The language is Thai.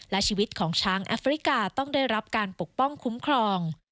และชีวิตของช้างแอฟริกาต้องได้รับการปกป้องคุ้มครอง